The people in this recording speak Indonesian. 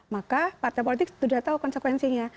maka partai politik sudah tahu konsekuensinya